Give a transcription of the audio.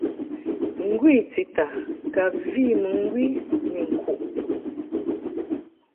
Ngwi tita ka vi mɨŋgwi ni ŋkuʼ.